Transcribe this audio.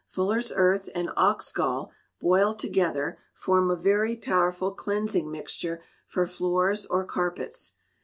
Fuller's earth and ox gall, boiled together, form a very powerful cleansing mixture for floors or carpets.